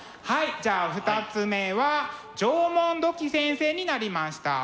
じゃあ２つ目は「縄文土器先生」になりました。